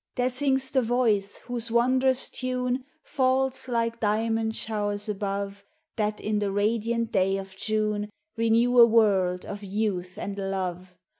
There sings the Voice whose wondrous tune Falls, like diamond showers above That in the radiant day of June Renew a world of Youth and Love.